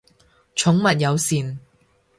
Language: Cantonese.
寵物友善